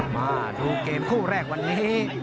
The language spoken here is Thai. มาดูเกมคู่แรกวันนี้